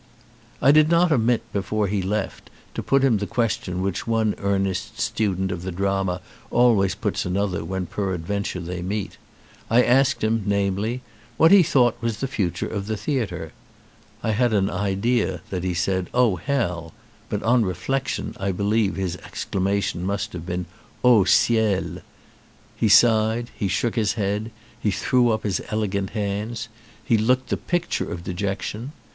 I did not omit before he left to put him the question which one earnest student of the drama always puts another when peradventure they meet. I asked him, namely, what he thought was the future of the theatre. I had an idea that he said, oh hell, but on reflection I believe his exclamation must have been, 6 ciel! He sighed, he shook his head, he threw up his elegant hands ; he looked the picture of dejection.